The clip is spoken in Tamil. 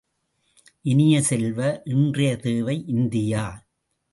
இனிய செல்வ, இன்றையத் தேவை இந்தியா.